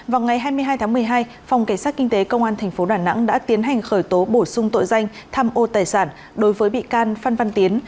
vào ngày hai mươi hai tháng một mươi hai phòng cảnh sát kinh tế công an tp đà nẵng đã tiến hành khởi tố bổ sung tội danh tham ô tài sản đối với bị can phan văn tiến